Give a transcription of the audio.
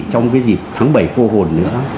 trong cái dịp tháng bảy cô hồn nữa